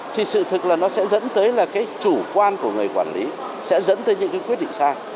thì sự thực là nó sẽ dẫn tới là cái chủ quan của người quản lý sẽ dẫn tới những cái quyết định sai